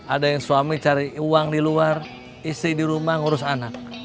ada yang suami cari uang di luar isi di rumah ngurus anak